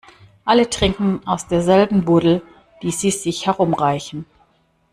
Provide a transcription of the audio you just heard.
Alle trinken aus derselben Buddel, die sie sich herumreichen.